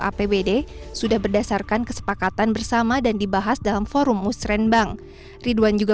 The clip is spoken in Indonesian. apbd sudah berdasarkan kesepakatan bersama dan dibahas dalam forum musrembang ridwan juga